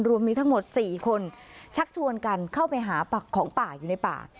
รวมมีทั้งหมด๔คนชักชวนกันเข้าไปหาของป่าอยู่ในป่า